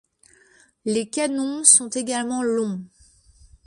Les canons sont également longs.